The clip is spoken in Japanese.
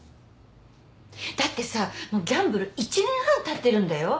だってさもうギャンブル１年半断ってるんだよ。